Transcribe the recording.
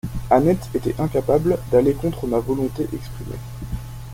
Annette était incapable d'aller contre ma volonté exprimée.